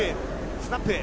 スナップ。